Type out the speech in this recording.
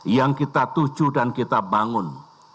yang kita tuju dan kita bangun